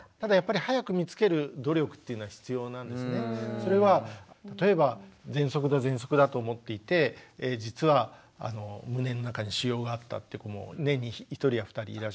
それは例えばぜんそくだぜんそくだと思っていて実は胸の中に腫瘍があったって子も年に１人や２人いらっしゃいます。